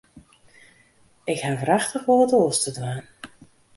Ik haw wrachtich wol wat oars te dwaan.